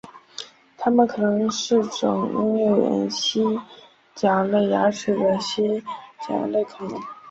它们可能是种拥有原蜥脚类牙齿的蜥脚类恐龙。